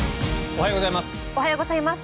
おはようございます。